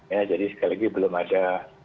ya jadi sekali lagi belum ada